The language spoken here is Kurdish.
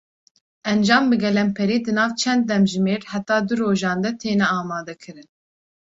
Encam bi gelemperî di nav çend demjimêr heta du rojan de têne amadekirin.